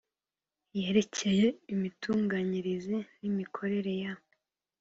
yerekeye imitunganyirize n imikorere ya